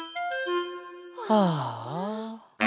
ああ。